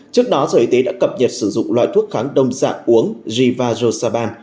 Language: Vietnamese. trước đó sở y tế đã cập nhật sử dụng loại thuốc kháng đông dạng uống rivajosaban